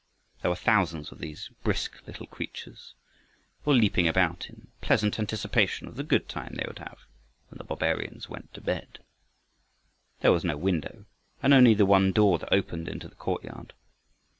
There were thousands of these brisk little creatures, all leaping about in pleasant anticipation of the good time they would have when the barbarians went to bed. There was no window, and only the one door that opened into the courtyard.